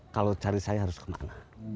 kalau cari saya harus kemana